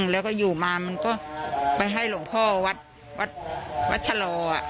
แล้วก็อยู่มามันก็ไปให้หลวงพ่อวัดวัดชะลอ